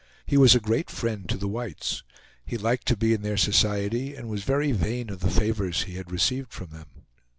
He was a great friend to the whites. He liked to be in their society, and was very vain of the favors he had received from them.